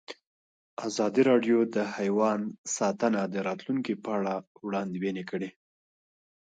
ازادي راډیو د حیوان ساتنه د راتلونکې په اړه وړاندوینې کړې.